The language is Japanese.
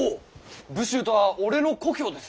武州とは俺の故郷です。